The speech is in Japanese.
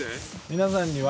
皆さんには。